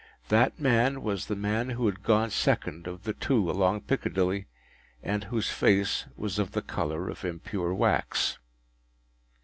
That man was the man who had gone second of the two along Piccadilly, and whose face was of the colour of impure wax.